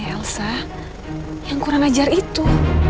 elsa yang kurang ajar itu